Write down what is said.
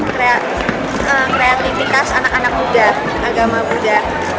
kreativitas anak anak muda agama buddha